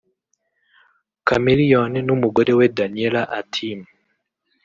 Chameleone n’umugore we Daniela Atim